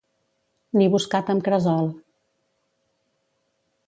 Ni buscat amb cresol.